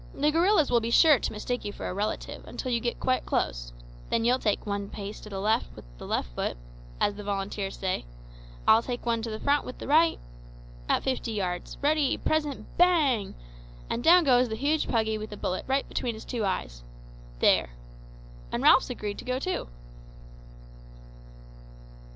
The gorillas will be sure to mistake you for a relative until you get quite close; then you'll take one pace to the left with the left foot (as the volunteers say), I'll take one to the front with the right at fifty yards, ready present bang, and down goes the huge puggy with a bullet right between its two eyes! There. And Ralph's agreed to go too."